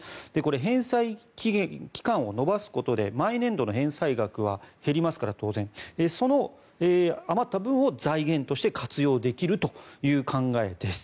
返済期間を延ばすことで毎年度の返済額は当然、減りますからその余った分を財源として活用できるという考えです。